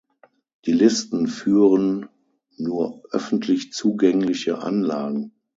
Die Listen führen nur öffentlich zugängliche Anlagen.